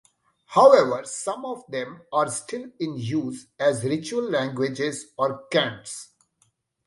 However, some of them are still in use as ritual languages or cants.